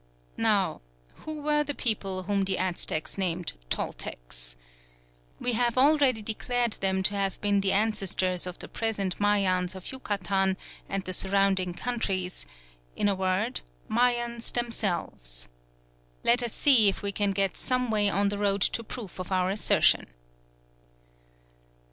Now who were the people whom the Aztecs nicknamed Toltecs? We have already declared them to have been the ancestors of the present Mayans of Yucatan and the surrounding countries in a word, Mayans themselves. Let us see if we can get some way on the road to proof of our assertion.